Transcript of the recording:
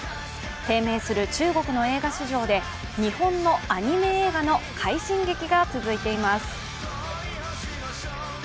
低迷する中国の映画市場で日本のアニメ映画の快進撃が続いています。